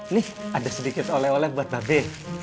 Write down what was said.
nih ada sedikit oleh oleh buat babe